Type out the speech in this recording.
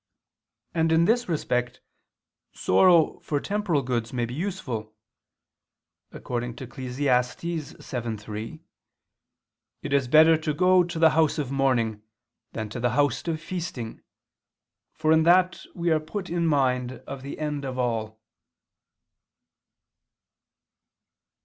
And, in this respect, sorrow for temporal goods may be useful; according to Eccles. 7:3: "It is better to go to the house of mourning, than to the house of feasting: for in that we are put in mind of the end of all."